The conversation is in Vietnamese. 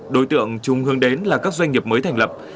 đối tượng trung hướng đến là các doanh nghiệp mới thành lập